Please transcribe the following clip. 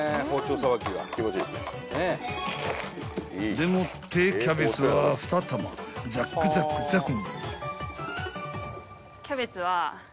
［でもってキャベツは２玉ザックザックザク］